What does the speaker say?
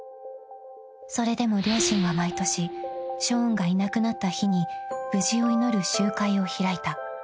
［それでも両親は毎年ショーンがいなくなった日に無事を祈る集会を開いた］